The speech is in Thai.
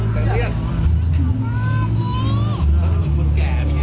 เค้าตบเค้าตบยายอะ